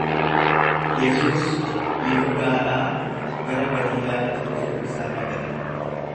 Yesuus Yihudaadhaa gara Galiilaatti dhufuu isaa dhaga'e.